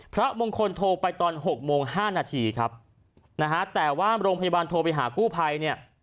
พระมงคลโทรไปตอน๖โมง๕นาทีครับนะฮะแต่ว่าโรงพยาบาลโทรไปหากู้ภัยเนี่ย